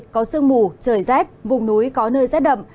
có sương mù trời rét vùng núi có nơi rét đậm